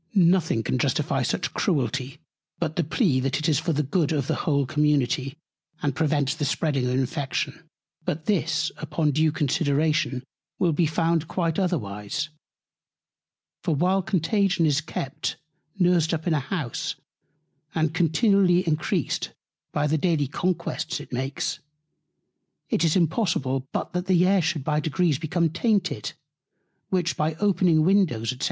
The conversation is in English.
Nothing can justify such Cruelty, but the Plea, that it is for the Good of the whole Community, and prevents the spreading of Infection. But this upon due Consideration will be found quite otherwise: For while Contagion is kept nursed up in a House, and continually encreased by the daily Conquests it makes, it is impossible but the Air should by Degrees become tainted, which by opening Windows, &c.